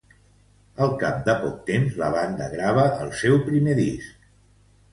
Al cap de poc temps la banda grava el seu primer disc.